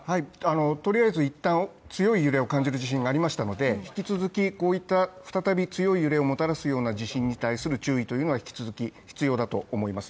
とりあえず、いったん強い揺れを感じる地震がありましたのでこういった再び強い揺れをもたらすような地震に対する注意は引き続き必要だと思います。